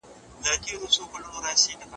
حکومت د بې وزلو ملاتړ کوي.